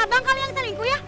abang kali yang selingkuh ya